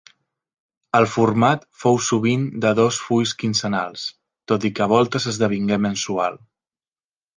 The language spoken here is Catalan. El format fou sovint de dos fulls quinzenals, tot i que a voltes esdevingué mensual.